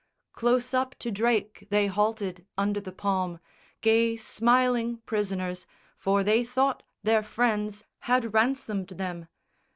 Close up to Drake they halted, under the palm, Gay smiling prisoners, for they thought their friends Had ransomed them.